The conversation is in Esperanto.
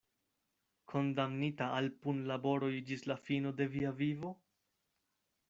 Kondamnita al punlaboroj ĝis la fino de via vivo?